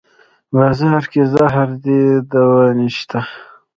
بازار کې زهر دی دوانشته